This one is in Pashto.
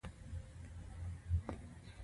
میدان درباندې ګټي.